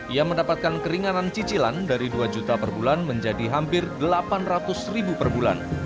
ia mendapatkan keringanan cicilan dari dua juta per bulan menjadi hampir delapan ratus ribu per bulan